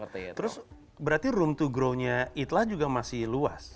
terus berarti room to grownya eatlah juga masih luas